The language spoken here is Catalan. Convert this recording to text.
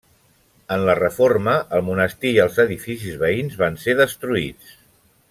En la reforma, el monestir i els edificis veïns van ser destruïts.